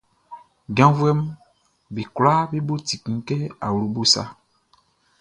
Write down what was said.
Janvuɛʼm be kwlaa be bo ti kun kɛ awlobo sa.